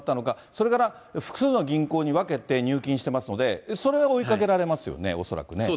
それから複数の銀行に分けて入金してますので、それは追いかけられますよね、恐らくね。